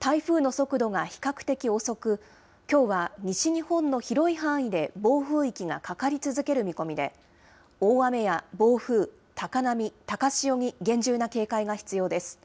台風の速度が比較的遅く、きょうは西日本の広い範囲で暴風域がかかり続ける見込みで、大雨や暴風、高波、高潮に厳重な警戒が必要です。